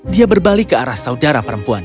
dia berbalik ke arah saudara perempuan